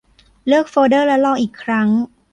เลือกโฟลเดอร์และลองอีกครั้ง